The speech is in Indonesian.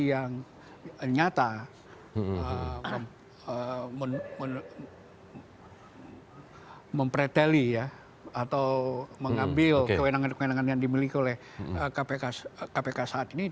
yang nyata mempreteli atau mengambil kewenangan kewenangan yang dimiliki oleh kpk saat ini